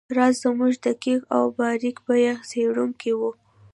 راز زموږ دقیق او باریک بینه څیړونکی وو